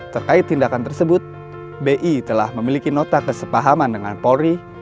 terkait tindakan tersebut bi telah memiliki nota kesepahaman dengan polri